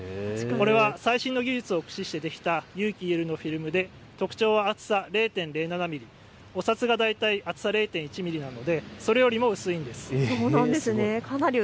これは最新の技術を駆使して作った有機ＥＬのフィルムで特徴は厚さ０．０７ミリ、お札が０．１ミリなのでそれよりも薄いんです。